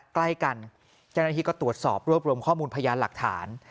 ใกล้กันเจ้าหน้าที่ก็ตรวจสอบรวบรวมข้อมูลพยานหลักฐาน